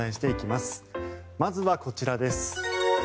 まずはこちらです。